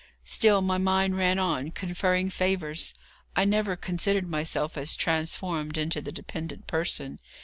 Still my mind ran on conferring favours. I never considered myself as transformed into the dependent person.